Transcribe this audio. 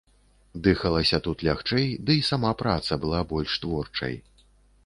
Дыхалася тут лягчэй, ды і сама праца была больш творчай.